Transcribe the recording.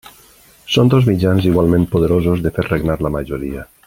Són dos mitjans igualment poderosos de fer regnar la majoria.